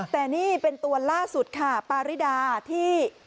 แต่นี่เป็นตัวล่าสุดค่ะปาริดาที่